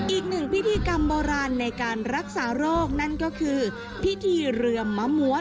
อีกหนึ่งพิธีกรรมโบราณในการรักษาโรคนั่นก็คือพิธีเรือมมะมวด